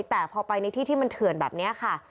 แต่พอไปในที่ที่มันเถื่อนแบบนี้ค่ะ